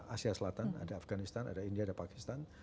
asia selatan ada afganistan ada india ada pakistan